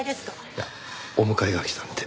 いやお迎えが来たので。